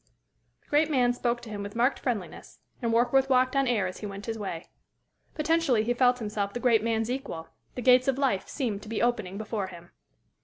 The great man spoke to him with marked friendliness, and Warkworth walked on air as he went his way. Potentially he felt himself the great man's equal; the gates of life seemed to be opening before him.